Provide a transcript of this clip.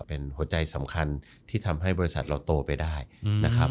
เป็นหัวใจสำคัญที่ทำให้บริษัทเราโตไปได้นะครับ